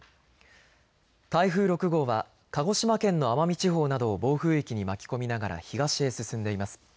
台風６号は鹿児島県の奄美地方などを暴風域に巻き込みながら東へ進んでいます。